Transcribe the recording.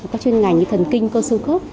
các chuyên ngành như thần kinh cơ sư khớp